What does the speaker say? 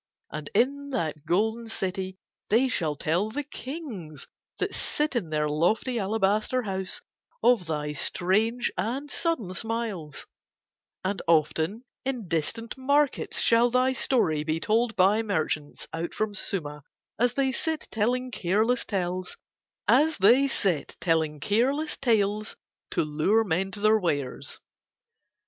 And in that golden city they shall tell the kings, that sit in their lofty alabaster house, of thy strange and sudden smiles. And often in distant markets shall thy story be told by merchants out from Sooma as they sit telling careless tales to lure men to their wares.